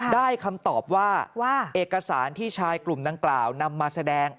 คำตอบว่าเอกสารที่ชายกลุ่มดังกล่าวนำมาแสดง